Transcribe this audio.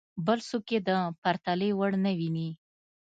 بل څوک یې د پرتلې وړ نه ویني.